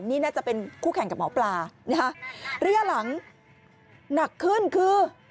นี่น่าจะเป็นคู่แข่งกับหมอปลานะฮะระยะหลังหนักขึ้นคือ